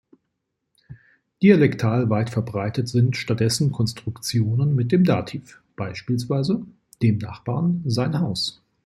Dialektal weit verbreitet sind stattdessen Konstruktionen mit dem Dativ, beispielsweise „dem Nachbarn sein Haus“.